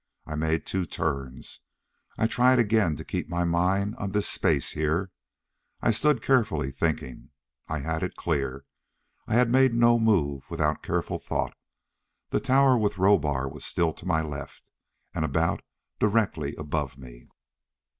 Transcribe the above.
I made two turns. I tried again to keep my mind on this Space here. I stood, carefully thinking. I had it clear. I had made no move without careful thought. The tower with Rohbar was still to my left, and about directly above me.